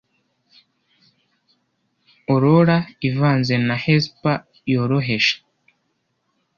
Aurora ivanze na Hesper yoroheje,